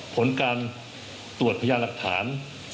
ผลการตรวจพยานหลักฐาน